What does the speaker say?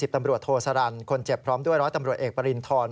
ตำรวจโทสรรคนเจ็บพร้อมด้วยร้อยตำรวจเอกปริณฑร